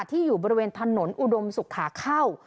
ที่อยู่บริเวณถนนอุดมศุกร์ขาเข้า